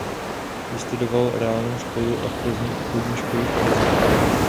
Vystudoval reálnou školu v Plzni a obchodní školu v Praze.